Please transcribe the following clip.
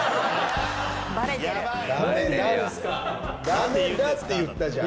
駄目だって言ったじゃん！